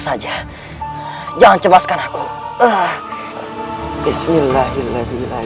lihat yang akan dilakukannya ituikogaan